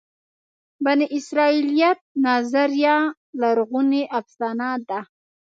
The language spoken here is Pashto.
بني اسرائیلیت نظریه لرغونې افسانه ده.